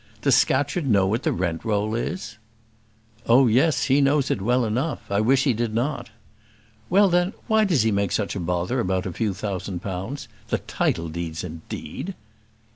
Does Scatcherd know what rent roll is?" "Oh, yes, he knows it well enough: I wish he did not." "Well, then, why does he make such a bother about a few thousand pounds? The title deeds, indeed!"